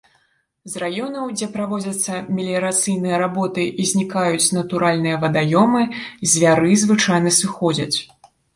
З раёнаў, дзе праводзяцца меліярацыйныя работы і знікаюць натуральныя вадаёмы, звяры звычайна сыходзяць.